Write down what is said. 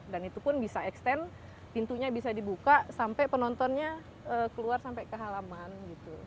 dan itu pun bisa extend pintunya bisa dibuka sampai penontonnya keluar sampai ke halaman gitu